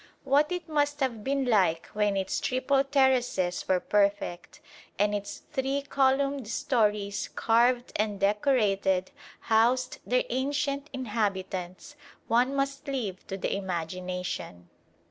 What it must have been like when its triple terraces were perfect, and its three columned storeys, carved and decorated, housed their ancient inhabitants, one must leave to the imagination.